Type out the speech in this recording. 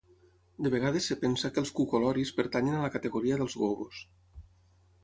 De vegades es pensa que els cucoloris pertanyen a la categoria dels gobos.